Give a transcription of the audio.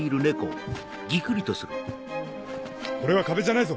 これは壁じゃないぞ！